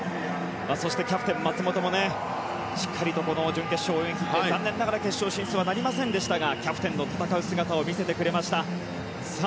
キャプテン、松元もしっかりと準決勝を泳ぎ切って残念ながら決勝進出はなりませんでしたがキャプテンの戦う姿を見せてくれました。